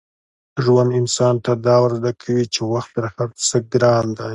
ژوند انسان ته دا ور زده کوي چي وخت تر هر څه ګران دی.